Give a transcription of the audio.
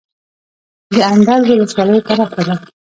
د اندړ ولسوالۍ پراخه ده